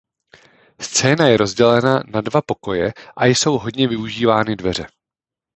Scéna je rozdělena na dva pokoje a jsou hojně využívány dveře.